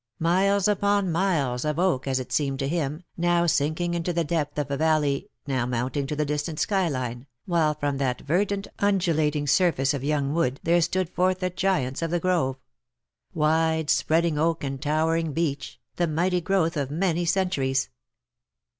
Miles upon miles of oak, as it seemed to him, now sinking into the depth of a valley, now mounting to the distant sky line, while from that verdant undulating surface of young wood there stood forth the giants of the grove — wide spreading oak and towering beech, the mighty growth of many centuries.